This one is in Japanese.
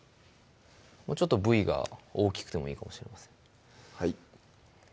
もうちょっとＶが大きくてもいいかもしれませんはい